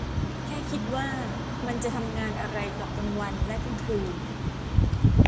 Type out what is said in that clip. แค่คิดว่ามันจะทำงานอะไรกับกลางวันและกลางคืน !